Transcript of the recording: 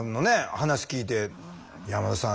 話聞いて山田さん